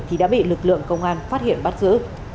thì đã bị lực lượng công an phát hiện bắt giữ